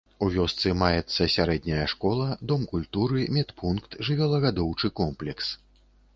У вёсцы маецца сярэдняя школа, дом культуры, медпункт, жывёлагадоўчы комплекс.